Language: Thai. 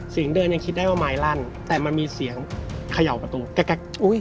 เสียงเดินยังคิดได้ว่าไม้ลั่นแต่มันมีเสียงเขย่าประตูแก๊กอุ้ย